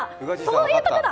そういうことだ。